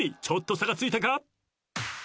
ちょっと差がついたか？